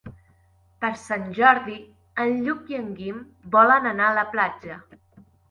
Per Sant Jordi en Lluc i en Guim volen anar a la platja.